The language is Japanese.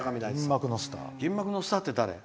銀幕のスターって誰？